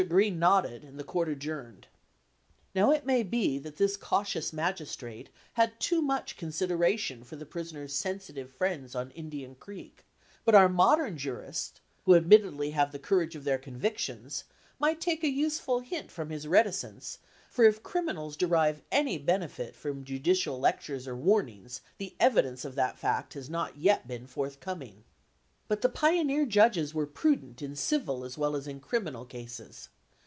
Green nodded, and the court adjourned. Now it may be that this cautious magistrate had too much consideration for the prisoner's sensitive friends on Indian Creek, but our modern jurists, who admittedly have the courage of their convictions, might take a useful hint from his reticence, for if criminals derive any benefit from judicial lectures or warnings, the evidence of that fact has not yet been forthcom ing. But the pioneer judges were prudent in civil as well as in criminal cases.